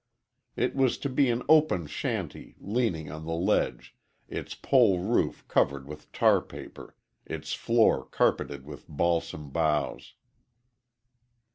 It was to be an open shanty, leaning on the ledge, its pole roof covered with tar paper, its floor carpeted with balsam boughs.